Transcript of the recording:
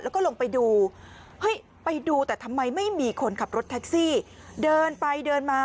แล้วก็ลงไปดูเฮ้ยไปดูแต่ทำไมไม่มีคนขับรถแท็กซี่เดินไปเดินมา